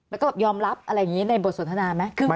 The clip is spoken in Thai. แล้วก็แบบยอมรับอะไรอย่างนี้ในบทสนทนาไหม